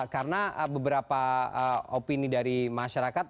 karena beberapa opini dari masyarakat